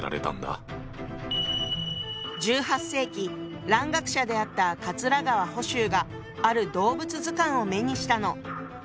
１８世紀蘭学者であった桂川甫周がある動物図鑑を目にしたの。